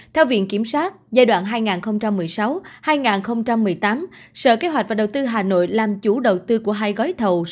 theo viện kiểm sát giai đoạn hai nghìn một mươi sáu hai nghìn một mươi tám sở kế hoạch và đầu tư hà nội làm chủ đầu tư của hai gói thầu